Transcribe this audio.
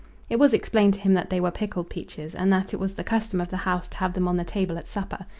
It was explained to him that they were pickled peaches, and that it was the custom of the house to have them on the table at supper.